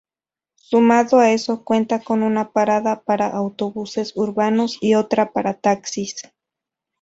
Sumado a eso, cuenta con una parada para autobuses urbanos y otra para taxis.